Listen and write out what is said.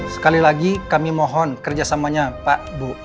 sekali lagi kami mohon kerjasamanya pak bu